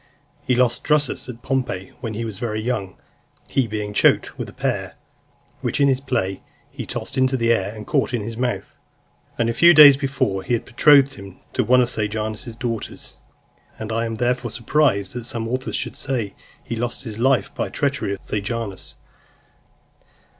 He lost Drusus at Pompeii, when he was very young; he being choked with a pear, which in his play he tossed into the air, and caught in his mouth. Only a few days before, he had betrothed him to one of Sejanus's daughters ; and I am therefore surprised that some authors should say he lost his life by the treachery of Sejanus.